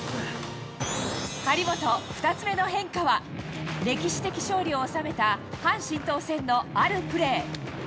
張本、２つ目の変化は、歴史的勝利を収めた、樊振東戦のあるプレー。